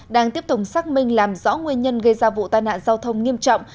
đang tiếp tục xác minh làm rõ nguyên nhân gây ra vụ tai nạn giao thông nghiêm trọng